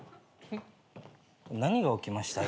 何が起きました？